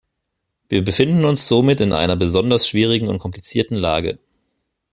Wir befinden uns somit in einer besonders schwierigen und komplizierten Lage.